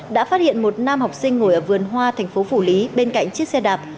đã phát hiện một nam học sinh ngồi ở vườn hoa thành phố phủ lý bên cạnh chiếc xe đạp